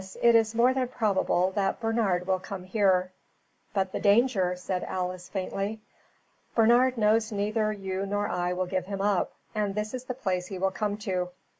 It is more than probable that Bernard will come here." "But the danger," said Alice, faintly. "Bernard knows neither you nor I will give him up, and this is the place he will come to.